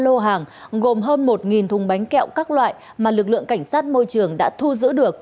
lô hàng gồm hơn một thùng bánh kẹo các loại mà lực lượng cảnh sát môi trường đã thu giữ được